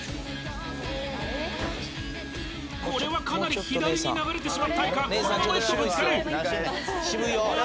これはかなり左に流れてしまってないかこのままいくとぶつかるああ